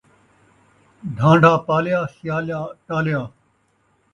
ڈھان٘ڈا پالیا ، سیالا ٹالیا